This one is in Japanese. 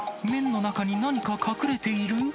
麺の中に何か隠れている？